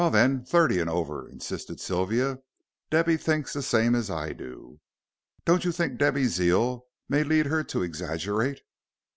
"Well, then, thirty and over," insisted Sylvia. "Debby thinks the same as I do." "Don't you think Debby's zeal may lead her to exaggerate?"